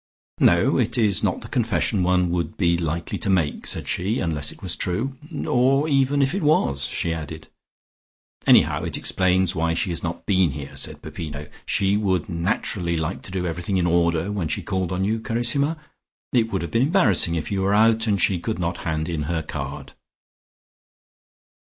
"No, it is not the confession one would be likely to make," said she, "unless it was true. Or even if it was," she added. "Anyhow it explains why she has not been here," said Peppino. "She would naturally like to do everything in order, when she called on you, carissima. It would have been embarrassing if you were out, and she could not hand in her card."